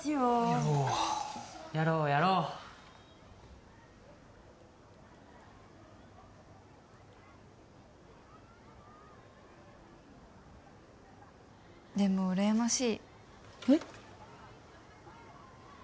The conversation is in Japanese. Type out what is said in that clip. やろうやろうやろうでもうらやましいえっ？